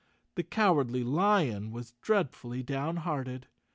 The Cowardly Lion was dreadfully down¬ hearted.